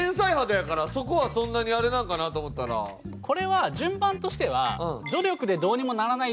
これは順番としてはああ！